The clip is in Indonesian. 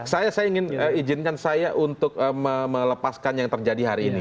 saya ingin izinkan saya untuk melepaskan yang terjadi hari ini